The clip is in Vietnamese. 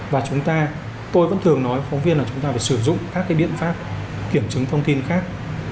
và chúng ta tôi vẫn thường nói với phóng viên là chúng ta phải sử dụng các cái biện pháp kiểm chứng thông tin khác